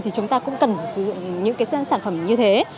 thì chúng ta cũng cần sử dụng những sản phẩm như thế